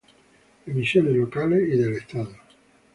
Emisiones locales y del estado.